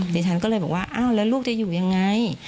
ดิฉันก็เลยบอกว่าอ้าวแล้วลูกจะอยู่ยังไง